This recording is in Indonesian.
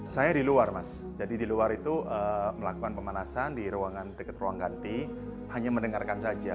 saya di luar mas jadi di luar itu melakukan pemanasan di ruangan dekat ruang ganti hanya mendengarkan saja